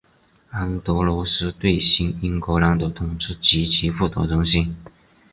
安德罗斯对新英格兰的统治极其不得人心。